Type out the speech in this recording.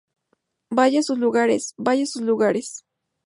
¡ Vayan a sus lugares! ¡ vayan a sus lugares!